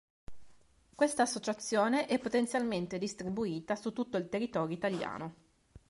Questa associazione è potenzialmente distribuita su tutto il territorio italiano.